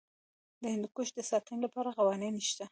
د هندوکش د ساتنې لپاره قوانین شته.